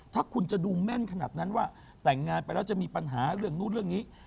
ถ้าคุณจะดูแม่นขนาดนั้นว่าแต่งงานไปแล้วจะมีปัญหาเรื่องนู้นเรื่องนี้